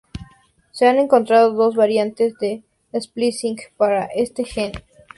Se han encontrado dos variantes de splicing para este gen.